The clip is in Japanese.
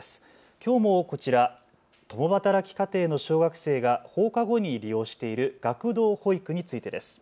きょうもこちら、共働き家庭の小学生が放課後に利用している学童保育についてです。